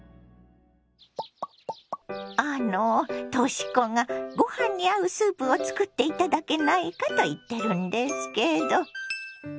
あのとし子がご飯に合うスープを作って頂けないかと言ってるんですけど。